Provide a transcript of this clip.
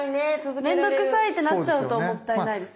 面倒くさいってなっちゃうともったいないですよね。